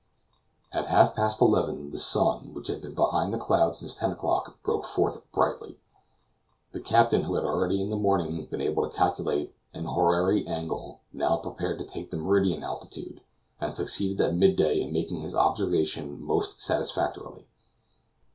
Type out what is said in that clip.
At half past eleven the sun, which had been behind the clouds since ten o'clock, broke forth brightly. The captain, who had already in the morning been able to calculate an horary angle, now prepared to take the meridian altitude, and succeeded at midday in making his observation most satisfactorily.